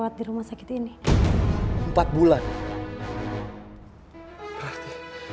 aku harus ketemu sama dia